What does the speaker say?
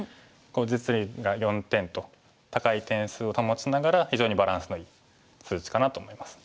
実利が４点と高い点数を保ちながら非常にバランスのいい数値かなと思います。